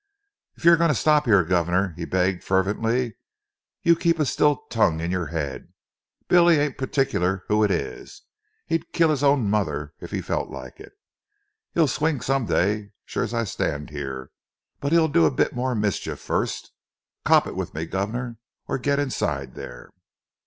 "If you're going to stop 'ere, guvnor," he begged fervently, "you keep a still tongue in your 'ead. Billy ain't particular who it is. 'E'd kill 'is own mother, if 'e felt like it. 'E'll swing some day, sure as I stand 'ere, but 'e'll do a bit more mischief first. 'Op it with me, guvnor, or get inside there."